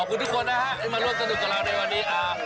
ขอบคุณทุกคนนะฮะที่มาร่วมสนุกกับเราในวันนี้